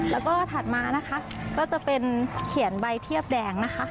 แล้วก็ถัดมานะคะก็จะเป็นเขียนใบเทียบแดงนะคะ